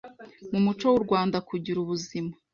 Mu muco w’u Rwanda kugira ubuzima